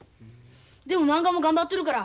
でもまんがも頑張っとるから。